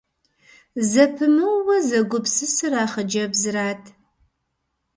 Зэпымыууэ зэгупсысыр а хъыджэбзырат.